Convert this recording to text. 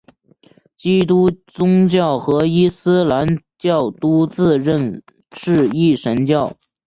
基督宗教和伊斯兰教都自认是一神教。